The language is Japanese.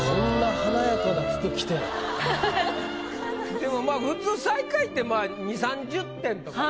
でもまあ普通最下位って２０３０点とかね。